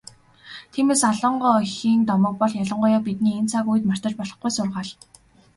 Тиймээс, Алан гоо эхийн домог бол ялангуяа бидний энэ цаг үед мартаж болохгүй сургаал.